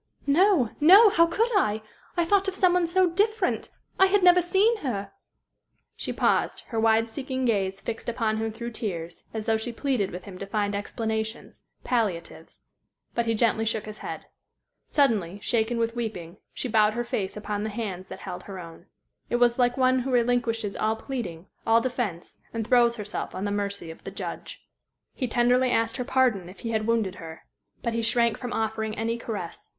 "No, no! How could I? I thought of some one so different I had never seen her " She paused, her wide seeking gaze fixed upon him through tears, as though she pleaded with him to find explanations palliatives. But he gently shook his head. Suddenly, shaken with weeping, she bowed her face upon the hands that held her own. It was like one who relinquishes all pleading, all defence, and throws herself on the mercy of the judge. He tenderly asked her pardon if he had wounded her. But he shrank from offering any caress.